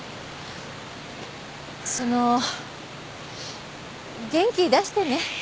その元気出してね。